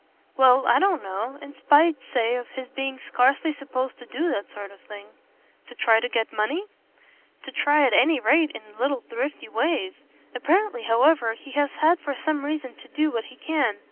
"Well, I don't know. In spite, say, of his being scarcely supposed to do that sort of thing." "To try to get money?" "To try at any rate in little thrifty ways. Apparently however he has had for some reason to do what he can.